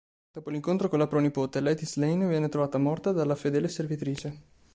Dopo l'incontro con la pronipote, Lady Slane viene trovata morta dalla fedele servitrice.